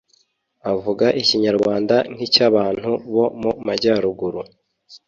avuga ikinyarwanda nk’icyabantu bo mu majyaruguru